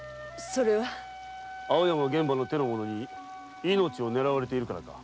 青山玄蕃の手の者に命を狙われているからか？